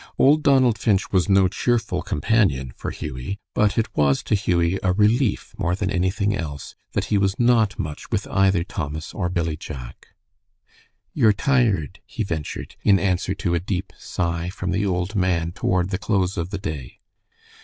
Old Donald Finch was no cheerful companion for Hughie, but it was to Hughie a relief, more than anything else, that he was not much with either Thomas or Billy Jack. "You're tired," he ventured, in answer to a deep sigh from the old man, toward the close of the day.